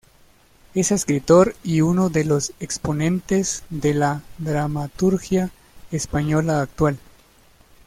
Es escritor y uno de los exponentes de la dramaturgia española actual.